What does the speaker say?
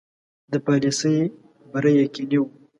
د پالیسي بری یقیني وو.